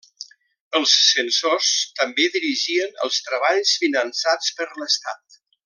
Els censors també dirigien els treballs finançats per l'estat.